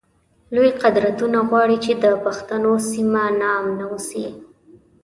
لوی قدرتونه غواړی چی د پښتنو سیمه ناامنه اوسی